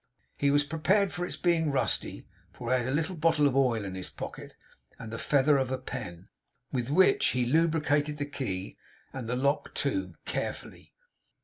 He was prepared for its being rusty; for he had a little bottle of oil in his pocket and the feather of a pen, with which he lubricated the key and the lock too, carefully.